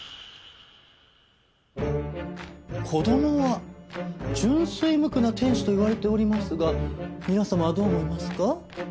子どもは純粋無垢な天使と言われておりますが皆様はどう思いますか？